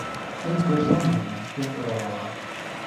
Я не прайшла міма і ахвяравала.